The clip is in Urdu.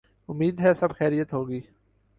امید ہے سب خیریت ہو گی۔